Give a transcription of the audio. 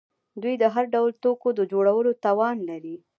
دوی د هر ډول توکو د جوړولو توان لري.